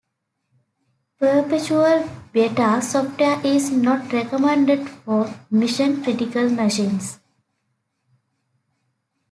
Perpetual beta software is not recommended for mission critical machines.